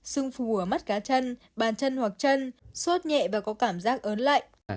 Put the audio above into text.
xưng phù ở mắt cá chân bàn chân hoặc chân suốt nhẹ và có cảm giác ớn lạnh